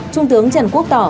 trung tướng trần quốc tỏ